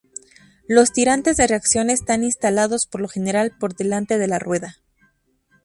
Los tirantes de reacción están instalados por lo general por delante de la rueda.